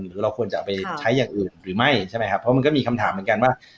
หรือเราควรจะเอาไปใช้อย่างอื่นหรือไม่ใช่ไหมครับเพราะมันก็มีคำถามเหมือนกันว่า